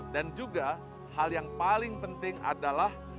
dan juga hal yang paling penting adalah